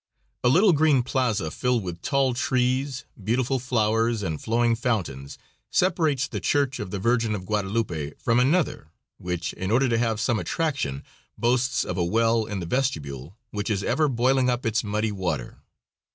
A little green plaza filled with tall trees, beautiful flowers, and flowing fountains, separates the church of the Virgin of Guadalupe from another, which, in order to have some attraction, boasts of a well in the vestibule, which is ever boiling up its muddy water.